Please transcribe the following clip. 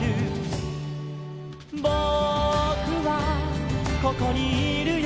「ぼくはここにいるよ」